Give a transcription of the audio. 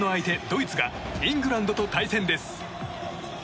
ドイツがイングランドと対戦です。